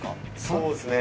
そうですね。